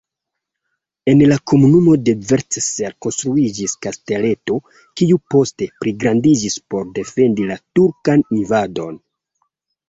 En komunumo Devecser konstruiĝis kasteleto, kiu poste pligrandiĝis por defendi la turkan invadon.